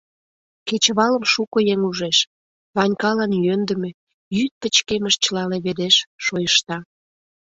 Кечывалым шуко еҥ ужеш: Ванькалан йӧндымӧ, йӱд пычкемыш чыла леведеш, шойышта.